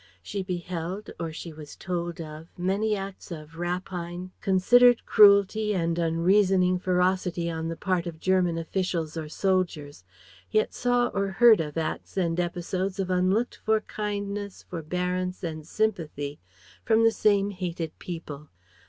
She beheld or she was told of many acts of rapine, considered cruelty and unreasoning ferocity on the part of German officials or soldiers; yet saw or heard of acts and episodes of unlooked for kindness, forbearance and sympathy from the same hated people.